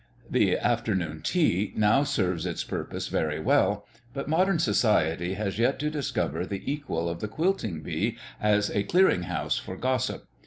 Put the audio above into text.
The afternoon tea now serves its purpose very well, but modern society has yet to discover the equal of the quilting bee as a clearing house for gossip.